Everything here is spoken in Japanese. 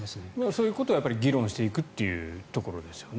そういうことを議論していくということですよね。